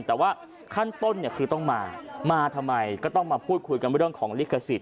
แต่ว่าขั้นต้นเนี่ยคือต้องมามาทำไมก็ต้องมาพูดคุยกันเรื่องของลิขสิทธ